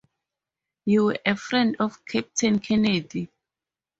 You were a friend of Captain Kennedy?